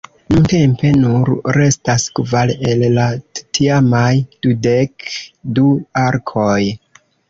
Nuntempe nur restas kvar el la tiamaj dudek du arkoj.